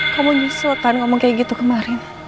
kamu nyusutan ngomong kayak gitu kemarin